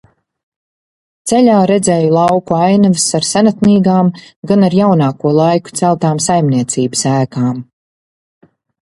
Ceļā redzēju lauku ainavas ar senatnīgām, gan ar jaunāko laiku celtām saimniecības ēkām.